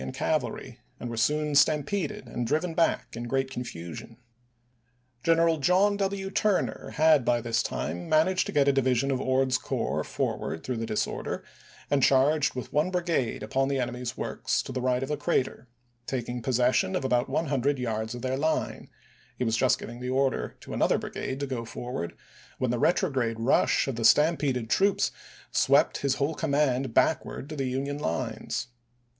and artillery, and were soon stampeded and driven back in great confusion. General John W. Turner had by this time man aged to get a division of Ord's corps forward through the disorder and charged with one bri gade upon the enemy's works to the right of the crater, taking possession of about one hundred yards of their line ; he was just giving the order to another brigade to go forward, when the retrograde rush of the stampeded troops swept his whole com mand backward to the Union lines.